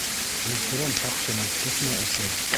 Үлтерәм шаҡшыны, тотма, әсәй!